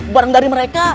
barang dari mereka